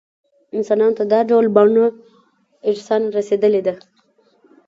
انسانانو ته دا ډول بڼه ارثاً رسېدلې ده.